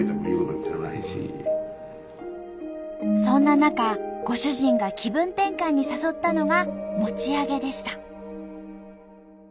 そんな中ご主人が気分転換に誘ったのが餅上げでした。